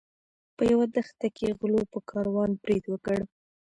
په یوه دښته کې غلو په کاروان برید وکړ.